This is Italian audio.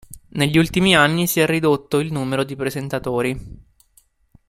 Negli ultimi anni si è ridotto il numero di presentatori.